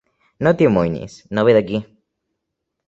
No t'hi amoïnis, no ve d'aquí.